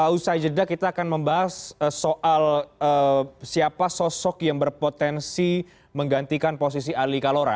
usai jeda kita akan membahas soal siapa sosok yang berpotensi menggantikan posisi ali kalora